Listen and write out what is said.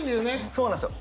そうなんですよ。